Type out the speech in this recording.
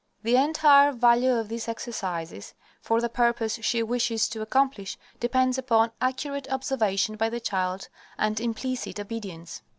The entire value of these exercises for the purpose she wishes to accomplish depends upon accurate observation by the child and implicit obedience.